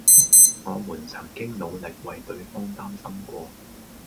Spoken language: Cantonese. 我們曾經努力為對方擔心過